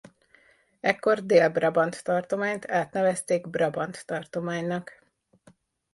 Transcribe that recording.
Ekkor Dél-Brabant tartományt átnevezték Brabant tartománynak.